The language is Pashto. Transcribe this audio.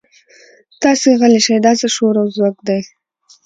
تاسې غلي شئ دا څه شور او ځوږ دی.